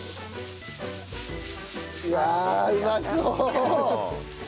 うわあうまそう！